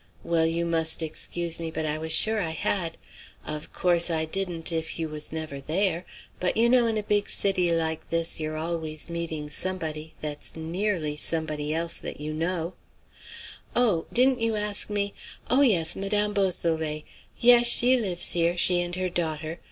Well, you must excuse me, but I was sure I had. Of course I didn't if you was never there; but you know in a big city like this you're always meeting somebody that's ne e early somebody else that you know oh! didn't you ask me oh, yes! Madame Beausoleil! Yes, she lives here, she and her daughter.